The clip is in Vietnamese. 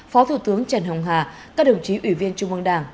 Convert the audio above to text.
phó thủ tướng trần hồng hà các đồng chí ủy viên trung ương đảng